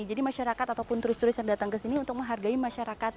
masyarakat ataupun turis turis yang datang ke sini untuk menghargai masyarakat